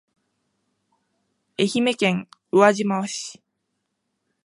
愛媛県宇和島市